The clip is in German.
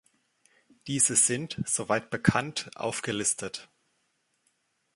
Diese sind, soweit bekannt, aufgelistet.